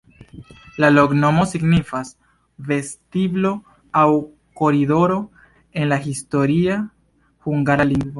La loknomo signifas: vestiblo aŭ koridoro en la historia hungara lingvo.